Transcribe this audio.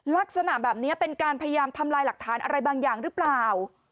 ลักษณะแบบนี้เป็นการพยายามทำลายหลักฐานอะไรบางอย่างหรือเปล่า